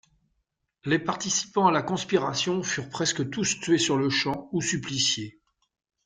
Les participants à la conspiration furent presque tous tués sur-le champ ou suppliciés.